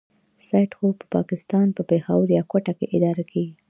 سایټ خو په پاکستان په پېښور يا کوټه کې اداره کېږي.